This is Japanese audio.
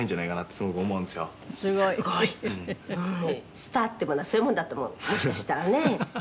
「スターというものはそういうもんだと思うもしかしたらね」